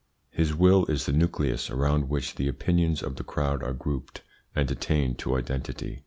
His will is the nucleus around which the opinions of the crowd are grouped and attain to identity.